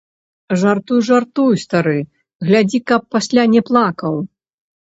Жартуй, жартуй, стары, глядзі, каб пасля не плакаў.